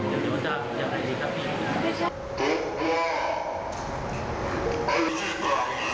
ก็ยังมีปัญหาราคาเข้าเปลือกก็ยังลดต่ำลง